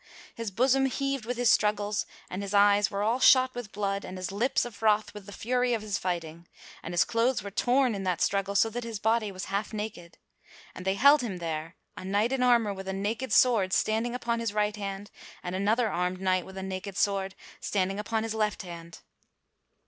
his bosom heaved with his struggles, and his eyes were all shot with blood and his lips afroth with the fury of his fighting; and his clothes were torn in that struggle so that his body was half naked. And they held him there, a knight in armor with a naked sword standing upon his right hand and another armed knight with a naked sword standing upon his left hand.